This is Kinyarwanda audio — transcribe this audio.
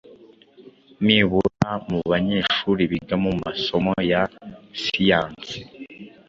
Nibura mu banyeshuri biga mu masomo ya Siyansi